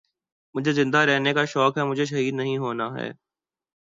مجھے زندہ رہنے کا شوق ہے مجھے شہید نہیں ہونا ہے